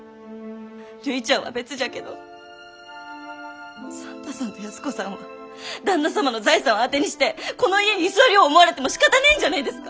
るいちゃんは別じゃけど算太さんと安子さんは旦那様の財産を当てにしてこの家に居座りょうる思われてもしかたねえんじゃねえですか！？